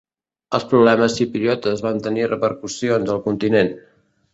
Els problemes xipriotes van tenir repercussions al continent.